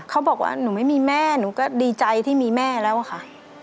เขาบอกว่าหนูไม่มีแม่หนูก็ดีใจที่มีแม่แล้วค่ะ